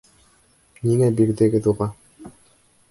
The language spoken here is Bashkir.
Ниңә бирҙегеҙ уға?